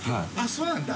そうなんだ！